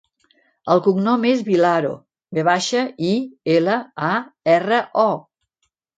El cognom és Vilaro: ve baixa, i, ela, a, erra, o.